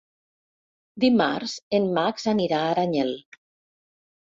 Dimarts en Max anirà a Aranyel.